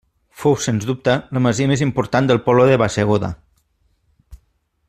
Fou sens dubte la masia més important del poble de Bassegoda.